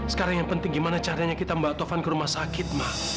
sekarang yang penting gimana caranya kita membawa taufan ke rumah sakit ma